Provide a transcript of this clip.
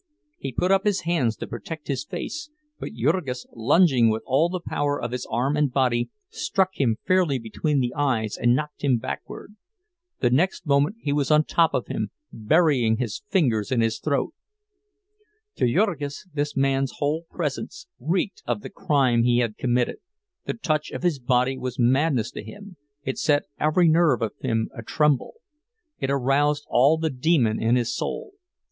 He put up his hands to protect his face, but Jurgis, lunging with all the power of his arm and body, struck him fairly between the eyes and knocked him backward. The next moment he was on top of him, burying his fingers in his throat. To Jurgis this man's whole presence reeked of the crime he had committed; the touch of his body was madness to him—it set every nerve of him a tremble, it aroused all the demon in his soul.